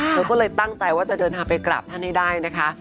เธอก็เลยตั้งใจว่าจะเดินทางไปกราบท่านให้ได้นะคะ